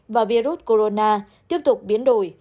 và virus corona tiếp tục biến đổi